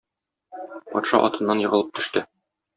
Патша атыннан егылып төште.